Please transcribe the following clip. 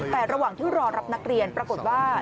แต่ระหว่างที่รอรับนักเรียนปรากฏว่า